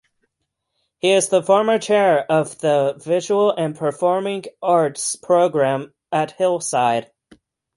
He is the former Chair of the visual and performing arts program at Hillside.